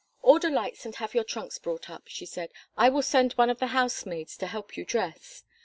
"Order lights and have your trunks brought up," she said. "I will send one of the housemaids to help you dress.